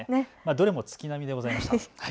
どれも月並みでございました。